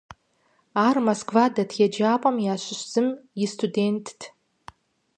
Ар Москва дэт еджапӀэхэм ящыщ зым и студентт.